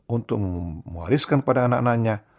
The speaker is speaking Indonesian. untuk mengwariskan pada anak anaknya